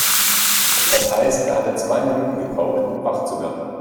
Das heißt, er hatte zwei Minuten gebraucht, um wach zu werden.